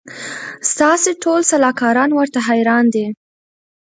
ستاسي ټول سلاکاران ورته حیران دي